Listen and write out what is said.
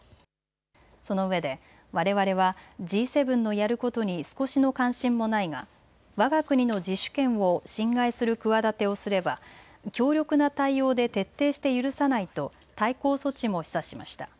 そのうえでわれわれはＧ７のやることに少しの関心もないがわが国の自主権を侵害する企てをすれば強力な対応で徹底して許さないと対抗措置も示唆しました。